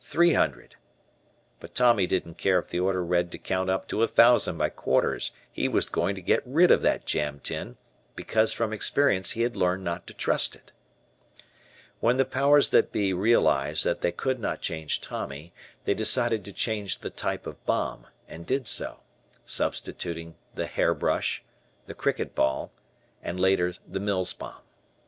three hundred!" but Tommy didn't care if the order read to count up to a thousand by quarters he was going to get rid of that "jam tin," because from experience he had learned not to trust it. When the powers that be realized that they could not change Tommy, they decided to change the type of bomb and did so substituting the "hair brush," the "cricket ball," and later the Mills bomb.